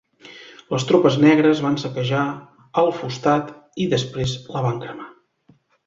Les tropes negres van saquejar al-Fustat i després la van cremar.